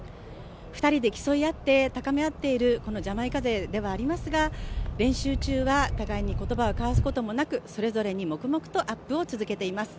２人で競い合って高め合っているジャマイカ勢ではありますが練習中は互いに言葉を交わすこともなくそれぞれに黙々とアップを続けています。